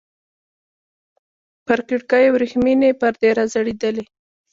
پر کړکيو ورېښمينې پردې راځړېدلې.